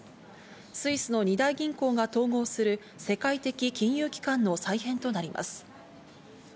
スイスの２大銀行が統合する世界的金融機関の再編となります。